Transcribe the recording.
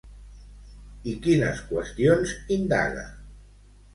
I quines qüestions indaga?